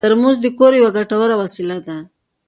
ترموز د کور یوه ګټوره وسیله ده.